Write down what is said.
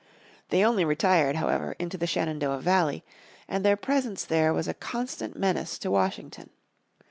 They only retired, however, into the Shenandoah Valley, and their presence there was a constant menace to Washington.